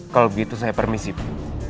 kalau begitu saya permisi bu